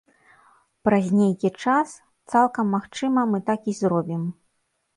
Праз нейкі час, цалкам магчыма, мы так і зробім.